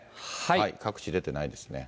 各地出てないですね。